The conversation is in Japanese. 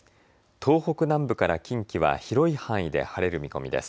東北南部から近畿は広い範囲で晴れる見込みです。